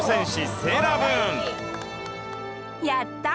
やった！